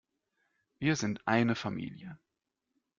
Wir sind eine Familie.